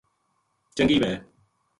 چنگی وھے